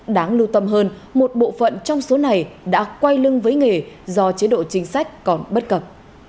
đáng lưu tâm hơn một bộ phận trong số này đã quay lưng với nghề do chế độ chính sách còn bất cập